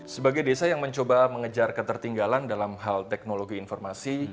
sebagai desa yang mencoba mengejar ketertinggalan dalam hal teknologi informasi